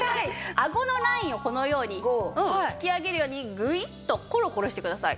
あごのラインをこのように引き上げるようにグイッとコロコロしてください。